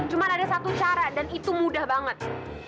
cuma ada satu cara dan itu mudah banget